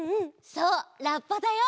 そうラッパだよ！